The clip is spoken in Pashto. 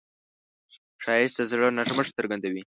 ښایست د زړه نرمښت څرګندوي